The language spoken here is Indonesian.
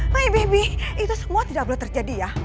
my baby itu semua tidak boleh terjadi ya